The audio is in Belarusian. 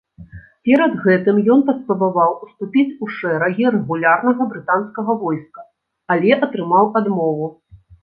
Перад гэтым ён паспрабаваў уступіць у шэрагі рэгулярнага брытанскага войска, але атрымаў адмову.